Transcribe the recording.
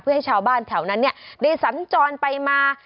เพื่อให้ชาวบ้านแถวนั้นได้สัญจรไปมา